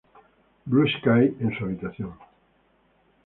Blue Sky" en su habitación.